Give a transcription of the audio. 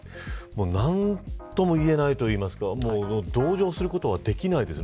何とも言えないというか同情することはできないですね。